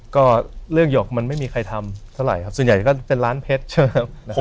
ก็เรื่องหยกมันไม่มีใครทำเท่าไหร่ครับส่วนใหญ่ก็เป็นล้านเพชรใช่ไหม